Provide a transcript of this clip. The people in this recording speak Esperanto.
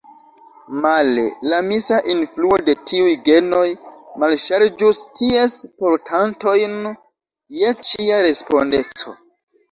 Male: la misa influo de tiuj genoj malŝarĝus ties portantojn je ĉia respondeco!